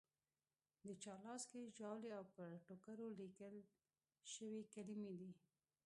د چا لاس کې ژاولي او پر ټوکرو لیکل شوې کلیمې دي.